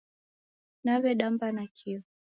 Naw'edamba nakio